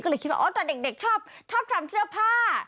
ก็เลยคิดว่าอ๋อตอนเด็กชอบทำเสื้อผ้า